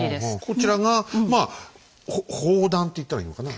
こちらがまあ砲弾って言ったらいいのかな。